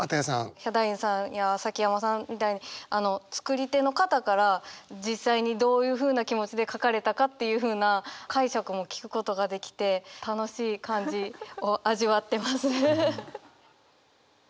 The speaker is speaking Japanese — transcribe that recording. ヒャダインさんや崎山さんみたいに作り手の方から実際にどういうふうな気持ちで書かれたかっていうふうな解釈も聞くことができて楽しい感じを味わってます。